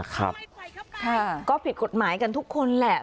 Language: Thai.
ใช่ก็ผิดกฎหมายกันทุกคนแหละ